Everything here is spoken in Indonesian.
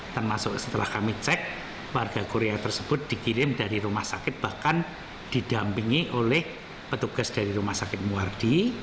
termasuk setelah kami cek warga korea tersebut dikirim dari rumah sakit bahkan didampingi oleh petugas dari rumah sakit muardi